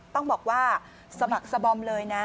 ต้องบอกว่าสมัครสบอมเลยนะ